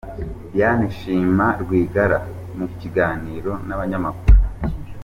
Diane Shima Rwigara mu Kiganiro n’Abanyamakuru